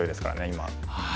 今。